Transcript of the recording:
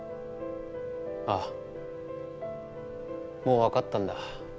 ああもう分かったんだ。